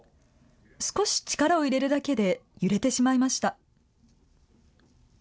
少し力を入れるだけで揺れてしまいました。